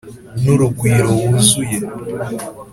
n'urugwiro wuzuye,